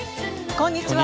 こんにちは。